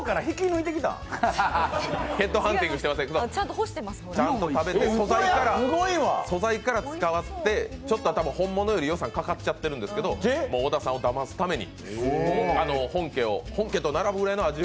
いや、ちゃんと食べて、素材から使って、ちょっと本物より予算かかっちゃってるんですけど小田さんをだますために本家と並ぶぐらいの味を。